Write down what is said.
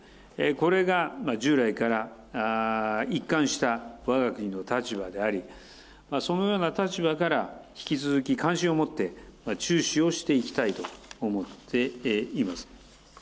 これが従来から一貫したわが国の立場であり、そのような立場から、引き続き関心を持って注視をしていきたいと思っています。